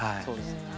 そうです。